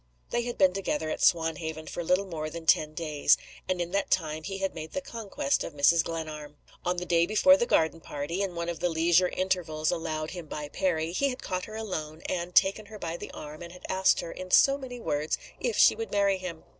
They had been together at Swanhaven for little more than ten days; and in that time he had made the conquest of Mrs. Glenarm. On the day before the garden party in one of the leisure intervals allowed him by Perry he had caught her alone, had taken her by the arm, and had asked her, in so many words, if she would marry him.